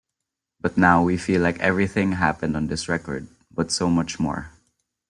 But now we feel like everything happened on this record, but so much more.